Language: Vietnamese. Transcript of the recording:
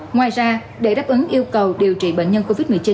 ngoài ra để đáp ứng yêu cầu điều trị bệnh nhân covid một mươi chín